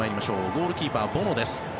ゴールキーパーはボノです。